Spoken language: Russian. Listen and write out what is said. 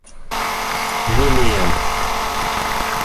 Лилия